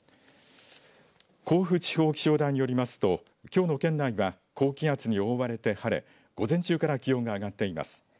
甲府地方気象台によりますときょうの県内は高気圧に覆われて晴れ午前中から気温が上がっています。